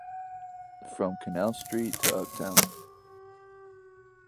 "From Canal Street to Uptown"